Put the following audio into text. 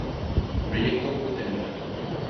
Proyecto Gutenberg.